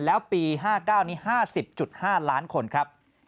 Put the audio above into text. แล้วปี๕๙นี้๕๐๕ล้านคนครับ